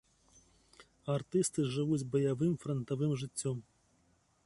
Артысты жывуць баявым франтавым жыццём.